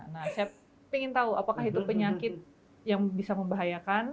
nah saya ingin tahu apakah itu penyakit yang bisa membahayakan